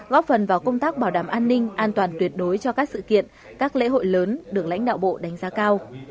góp phần vào công tác bảo đảm an ninh an toàn tuyệt đối cho các sự kiện các lễ hội lớn được lãnh đạo bộ đánh giá cao